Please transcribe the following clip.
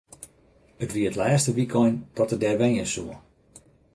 It wie it lêste wykein dat er dêr wenje soe.